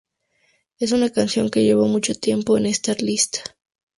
Es una canción que llevó mucho tiempo en estar lista.